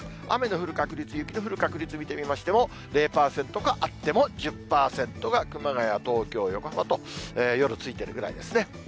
雨の降る確率、雪の降る確率を見てみましても、０％か、あっても１０％が熊谷、東京、横浜と、夜ついてるぐらいですね。